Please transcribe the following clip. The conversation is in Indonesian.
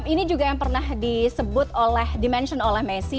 ini juga yang pernah disebut oleh dimention oleh messi